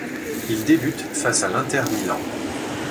Il débute face à l'Inter Milan.